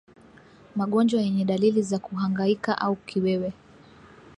Magonjwa yenye dalili za kuhangaika au kiwewe